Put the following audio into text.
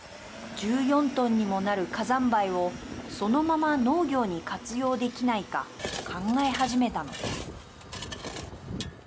１４トンにもなる火山灰をそのまま農業に活用できないか考え始めたのです。